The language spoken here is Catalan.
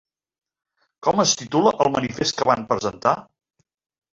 Com es titula el manifest que van presentar?